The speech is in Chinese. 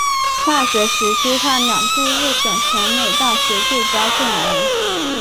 大学时期他两度入选全美大学最佳阵容。